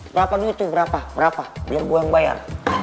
berapa duit tuh berapa berapa biar gue yang bayar